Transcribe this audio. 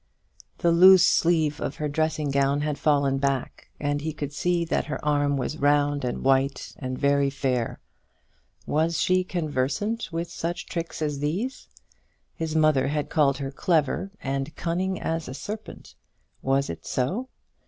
The loose sleeve of her dressing gown had fallen back, and he could see that her arm was round and white, and very fair. Was she conversant with such tricks as these? His mother had called her clever and cunning as a serpent. Was it so?